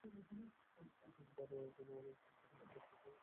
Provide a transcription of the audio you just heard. ফারাওয়ের এখনো আমাদের উপর কর্তৃত্ব করার ক্ষমতা আছে।